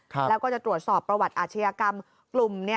ทุกวันจะตรวจสอบประวัติอาชีวะกลุ่ม